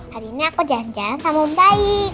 hari ini aku jalan jalan sama bayi